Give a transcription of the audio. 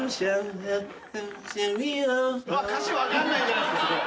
うわっ歌詞分かんないんじゃないですか。